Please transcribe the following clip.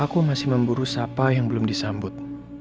aku masih memburu sapa yang belum disambut